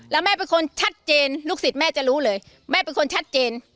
แล้วแม่เป็นคนชัดเจนลูกศิษย์แม่จะรู้เลยแม่เป็นคนชัดเจน